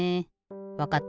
わかった。